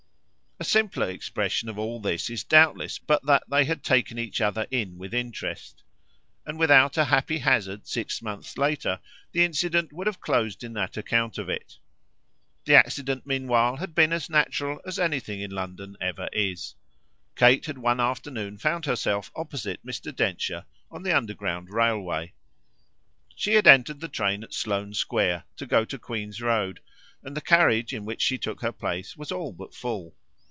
A simpler expression of all this is doubtless but that they had taken each other in with interest; and without a happy hazard six months later the incident would have closed in that account of it. The accident meanwhile had been as natural as anything in London ever is: Kate had one afternoon found herself opposite Mr. Densher on the Underground Railway. She had entered the train at Sloane Square to go to Queen's Road, and the carriage in which she took her place was all but full.